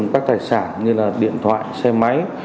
các tài sản như là điện thoại xe máy